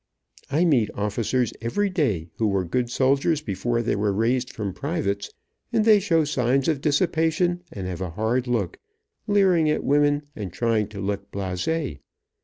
I meet officers every day, who were good soldiers before they were raised from privates, and they show signs of dissipation, and have a hard look, leering at women, and trying to look blasé.